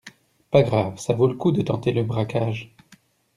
Pas grave, ça vaut le coup de tenter le braquage.